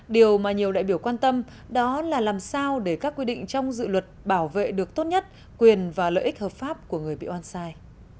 điều mà nhiều đại biểu quan tâm đó là làm sao để các quy định trong dự luật bảo vệ được tốt nhất quyền và lợi ích hợp pháp của người bị oan sai